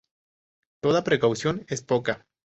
Toda precaución es poca